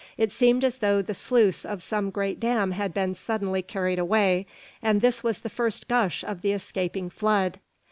It seemed as though the sluice of some great dam had been suddenly carried away, and this was the first gush of the escaping flood!